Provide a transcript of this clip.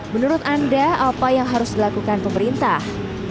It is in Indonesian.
menurut anda apa yang harus dilakukan pemerintah